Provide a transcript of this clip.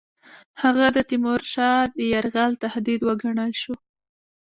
هغه د تیمورشاه د یرغل تهدید وګڼل شو.